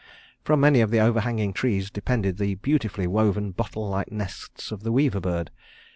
From many of the overhanging trees depended the beautifully woven bottle like nests of the weaver bird.